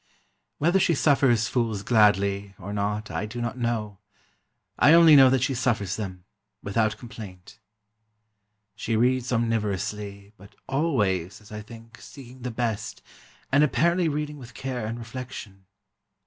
Whether she "suffers fools gladly," or not, I do not know. I only know that she suffers them—without complaint. She reads omnivorously, but always, as I think, seeking the best, and apparently reading with care and reflection.